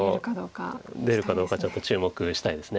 出るかどうかちょっと注目したいです。